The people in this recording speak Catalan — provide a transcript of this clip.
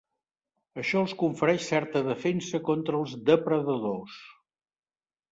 Això els confereix certa defensa contra els depredadors.